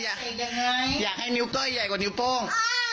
อยากให้อยากให้นิ้วก้อยใหญ่กว่านิ้วโป้ง